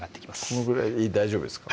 このぐらいで大丈夫ですか？